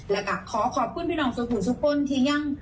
แล้วก็ขอขอบคุณพี่น้องสุดทุกคนที่ยัง